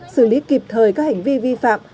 xử lý kịp thời các hành vi vi phạm